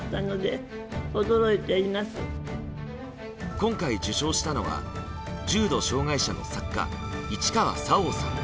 今回受賞したのは重度障害者の作家・市川沙央さん。